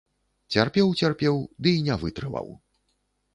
Цярпеў, цярпеў, ды і не вытрываў.